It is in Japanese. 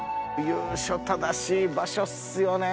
由緒正しい場所っすよね